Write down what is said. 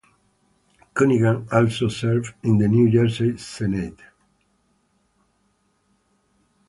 Cunningham also served in the New Jersey Senate.